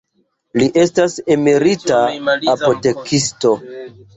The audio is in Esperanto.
Li estas emerita apotekisto.